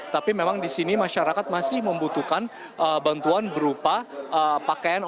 tapi memang di sini masyarakat masih membutuhkan bantuan berupa pakaian